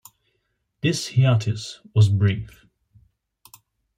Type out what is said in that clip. This hiatus was brief.